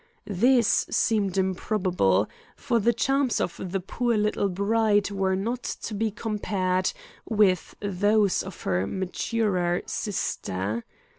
This seemed improbable; for the charms of the poor little bride were not to be compared with those of her maturer sister.